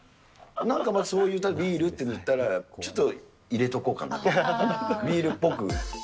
なんかまあ、そういう、ビールって打ったら、ちょっといれとこうかなと、ビールっぽく。